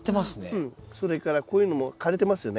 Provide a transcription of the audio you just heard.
それからこういうのも枯れてますよね？